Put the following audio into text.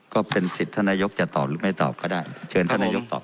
ก็เป็นสิทธิ์ท่านนายกจะตอบหรือไม่ตอบก็ได้เชิญท่านนายกตอบ